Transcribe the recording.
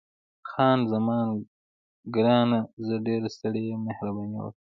خان زمان: ګرانه، زه ډېره ستړې یم، مهرباني وکړه.